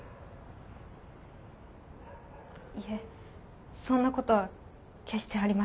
いえそんな事は決してありません。